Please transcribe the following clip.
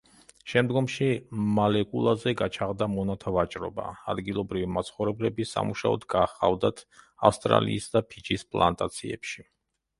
შემდგომში მალეკულაზე გაჩაღდა მონათა ვაჭრობა: ადგილობრივი მაცხოვრებლები სამუშაოდ გაჰყავდათ ავსტრალიის და ფიჯის პლანტაციებში.